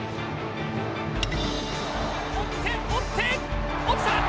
追って追って落ちた！